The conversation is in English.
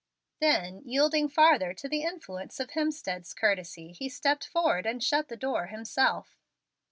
Then, yielding farther to the influence of Hemstead's courtesy, he stepped forward and shut the door himself.